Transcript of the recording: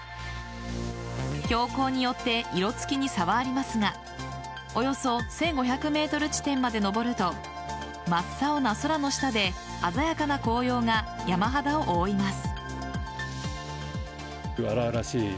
標高によって色つきに差はありますがおよそ１５００ｍ地点まで登ると真っ青な空の下で鮮やかな紅葉が山肌を覆います。